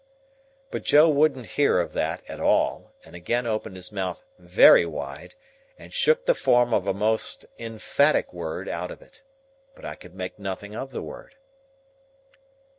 But Joe wouldn't hear of that, at all, and again opened his mouth very wide, and shook the form of a most emphatic word out of it. But I could make nothing of the word.